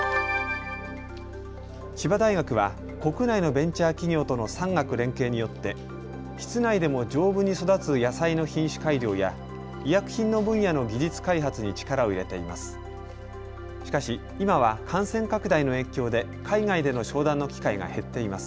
千葉大学は国内のベンチャー企業との産学連携によって室内でも丈夫に育つ野菜の品種改良や医薬品の分野の技術開発に力を入れています。